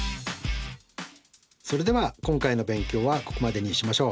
それでは今回の勉強はここまでにしましょう。